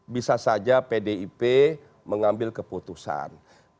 bisa saja pdip mengambil keputusan